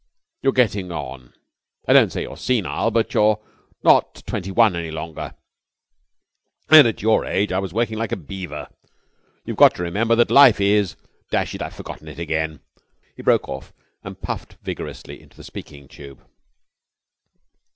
You're getting on. I don't say you're senile, but you're not twenty one any longer, and at your age I was working like a beaver. You've got to remember that life is dash it! I've forgotten it again." He broke off and puffed vigorously into the speaking tube.